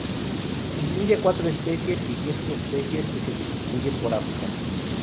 Incluye cuatro especies y diez subespecies, que se distribuyen por África.